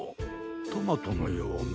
トマトのような。